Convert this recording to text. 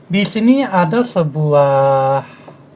di sini ada sebuah